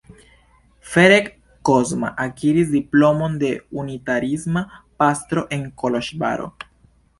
Ferenc Kozma akiris diplomon de unitariisma pastro en Koloĵvaro.